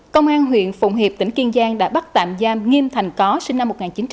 công an huyện phụng hiệp tỉnh kiên giang đã bắt tạm giam nghiêm thành có sinh năm một nghìn chín trăm tám mươi